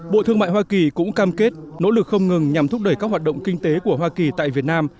bộ thương mại hoa kỳ cũng cam kết nỗ lực không ngừng nhằm thúc đẩy các hoạt động kinh tế của hoa kỳ tại việt nam